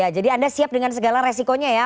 jadi anda siap dengan segala resikonya ya